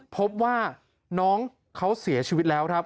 พบว่าน้องเขาเสียชีวิตแล้วครับ